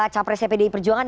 capresnya pdi perjuangan